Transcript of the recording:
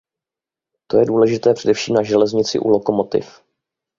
To je důležité především na železnici u lokomotiv.